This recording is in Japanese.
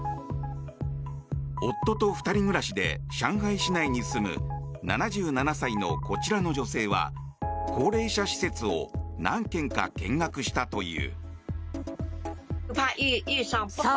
夫と２人暮らしで上海市内に住む７７歳のこちらの女性は高齢者施設を何件か見学したという。